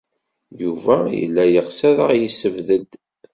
Yuba yella yeɣs ad aɣ-yessebded.